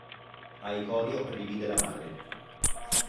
A Iconio rivide la madre.